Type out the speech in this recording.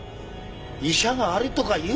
医者が「あれ？」とか言うなよ。